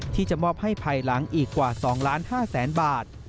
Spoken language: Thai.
ที่จะมอบให้ภายหลังอีกกว่า๒๕๐๐๐๐บาท